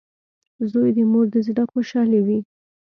• زوی د مور د زړۀ خوشحالي وي.